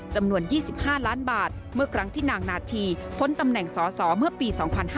จำนวน๒๕ล้านบาทเมื่อครั้งที่นางนาธีพ้นตำแหน่งสอสอเมื่อปี๒๕๕๙